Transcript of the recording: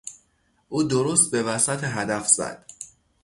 او درست به وسط هدف زد.